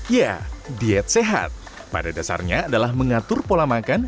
ya diet sehat pada dasarnya adalah mengatur pola makan